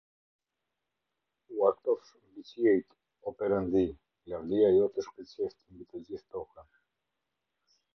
U artofsh mbi qiejtë, o Perëndi; lavdia jote shkëlqeftë mbi të gjithë tokën.